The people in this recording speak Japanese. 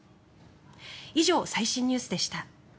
以上、最新ニュースでした。